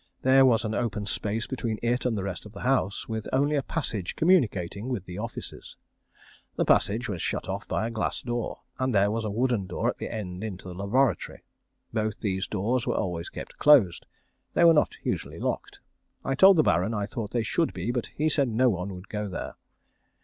There was an open space between it and the rest of the house, with only a passage communicating with the offices. This passage was shut off by a glass door, and there was a wooden door at the end into the laboratory. Both these doors were always kept closed. They were not usually locked. I told the Baron I thought they should be, but he said no one would go there.